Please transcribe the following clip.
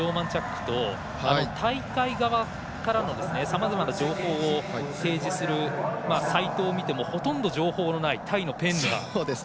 ダニエル・ローマンチャックと大会側からのさまざまな情報を提示するサイトを見てもほとんど情報のないタイのペーンヌア。